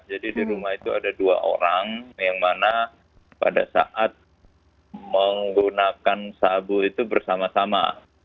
jadi di rumah itu ada dua orang yang mana pada saat menggunakan sabu itu bersama sama